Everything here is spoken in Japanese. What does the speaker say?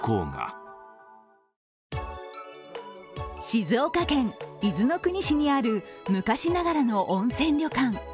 静岡県伊豆の国市にある昔ながらの温泉旅館。